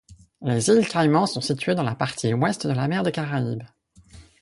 Les îles Caïmans sont situées dans la partie ouest de la mer des Caraïbes.